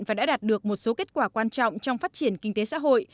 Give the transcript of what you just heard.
và đã đạt được một số kết quả quan trọng trong phát triển kinh tế xã hội